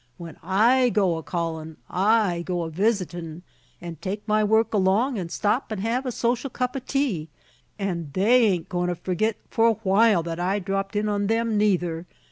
When I go a callin', I go a visitin' and take my work along an' stop an' hev a social cup o' tea; an' they ain't a goin' to forgit for awhile, that I dropped in on 'em, neither.